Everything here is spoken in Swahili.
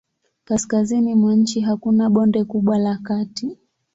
Kaskazini mwa nchi hakuna bonde kubwa la kati.